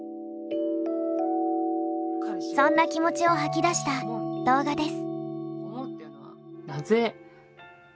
そんな気持ちを吐き出した動画です。